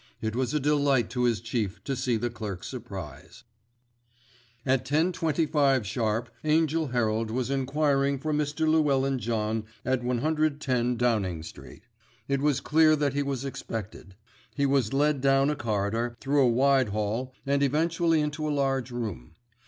It was a delight to his chief to see the clerk's surprise. At 10.25 sharp, Angell Herald was enquiring for Mr. Llewellyn John at 110 Downing Street. It was clear that he was expected. He was led along a corridor, through a wide hall, and eventually into a large room.